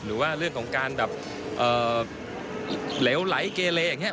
หรือว่าเรื่องของการแบบเหลวไหลเกเลอย่างนี้